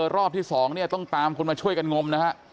รอบที่๒เนี่ยต้องตามคนมาช่วยกันงมนะฮะ